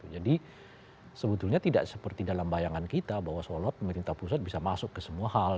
jadi sebetulnya tidak seperti dalam bayangan kita bahwa soal soal pemerintah pusat bisa masuk ke semua hal